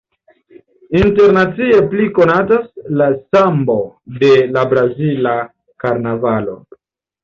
Internacie pli konatas la Sambo de la brazila karnavalo.